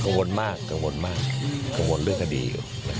วนมากกังวลมากกังวลเรื่องคดีอยู่